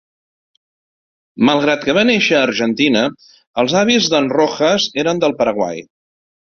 Malgrat que va néixer a Argentina, els avis de"n Rojas eren del Paraguai.